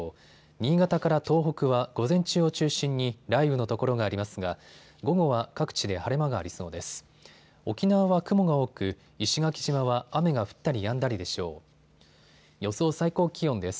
新潟から東北は午前中を中心に雷雨の所がありますが午後は各地で晴れ間がありそうです。